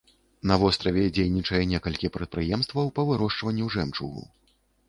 На востраве дзейнічае некалькі прадпрыемстваў па вырошчванню жэмчугу.